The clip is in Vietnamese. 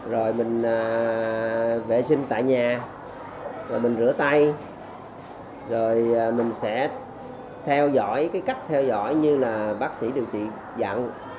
rồi mình vệ sinh tại nhà rồi mình rửa tay rồi mình sẽ theo dõi cái cách theo dõi như là bác sĩ điều trị dặn